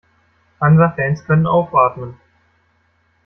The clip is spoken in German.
Hansa-Fans können aufatmen.